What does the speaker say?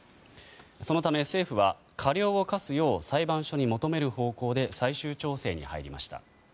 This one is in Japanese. そのため、政府は過料を科すよう裁判所に求める方向で最終調整に入りました。